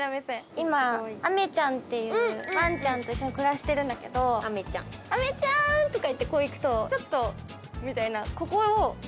今あめちゃんというワンちゃんと一緒に暮らしてるんだけど「あめちゃん！」とか言ってこう行くと「ちょっと」みたいなここを。